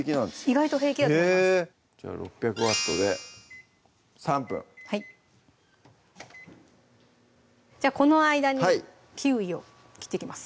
意外と平気だと思いますじゃあ６００Ｗで３分はいじゃあこの間にキウイを切っていきます